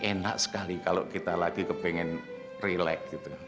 enak sekali kalau kita lagi ingin relax